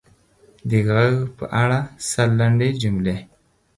د ږغ په اړه سل لنډې جملې: